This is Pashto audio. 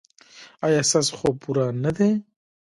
ایا ستاسو خوب پوره نه دی؟